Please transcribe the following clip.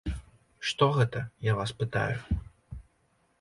Што гэта, я вас пытаю?